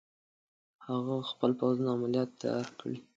هغه خپل پوځونه عملیاتو ته تیار کړي.